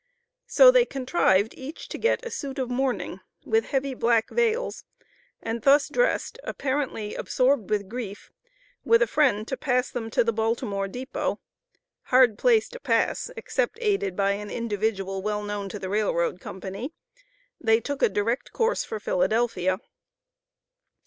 So they contrived each to get a suit of mourning, with heavy black veils, and thus dressed, apparently absorbed with grief, with a friend to pass them to the Baltimore depot (hard place to pass, except aided by an individual well known to the R.R. company), they took a direct course for Philadelphia.